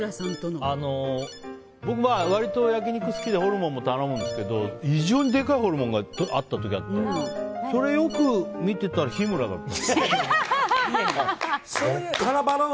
僕、割と焼き肉好きでホルモンも頼むんですけど異常にでかいホルモンがあった時があってそれ、よく見てたら日村だった。